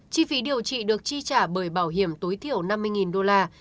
chi phí điều trị được chi trả bởi bảo hiểm tối thiểu năm mươi đô la